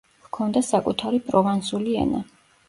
ჰქონდა საკუთარი პროვანსული ენა.